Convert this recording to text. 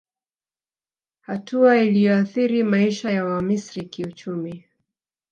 Hatua iliyoathiri maisha ya Wamisri kiuchumi